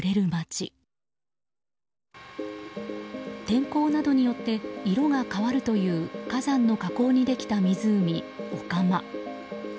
天候などによって色が変わるという火山の火口にできた湖、御釜。